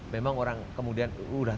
memang orang kemudian sudah